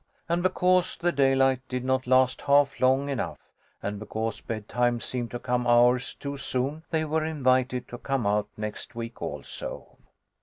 And because the daylight did not last half long enough, and because bedtime 164 THE HOME OF A HERO, 165 seemed to come hours too soon, they were invited to come out next week also.